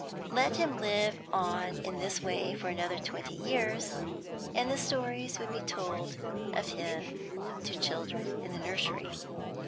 Let him live on in this way for another twenty years, and stories would be told of him to children in the nursery.